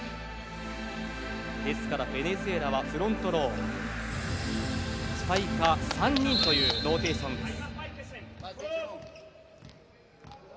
ですからベネズエラはフロントロースパイカー３人というローテーションです。